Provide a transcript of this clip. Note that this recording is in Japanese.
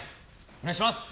お願いします！